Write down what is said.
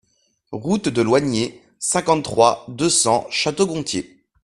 Route de Loigné, cinquante-trois, deux cents Château-Gontier